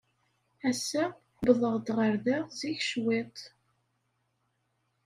Ass-a, wwḍeɣ-d ɣer da zik cwiṭ.